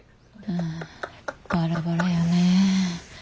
あぁバラバラよね。